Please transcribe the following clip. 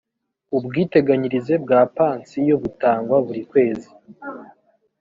ubwiteganyirize bwa pansiyo butangwa buri kwezi